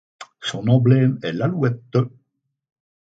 Son emblème est l'alouette.